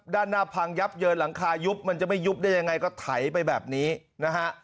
ด้านหน้าพังยับเยินหลังคายุบมันจะไม่ยุบได้ยังไงก็ไถไปแบบนี้นะฮะ